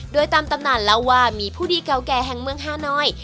โดยตามตำนานเล่าว่ามีผู้ดีเก่าแก่แห่งเมืองฮาน้อย